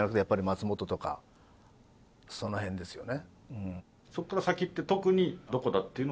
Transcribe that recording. その辺ですよね。